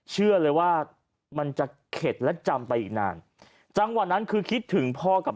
เชื่อเลยว่ามันจะเข็ดและจำไปอีกนานจังหวะนั้นคือคิดถึงพ่อกับ